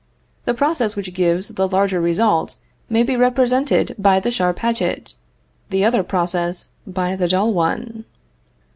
The process which gives the larger result may be represented by the sharp hatchet; the other process by the dull one.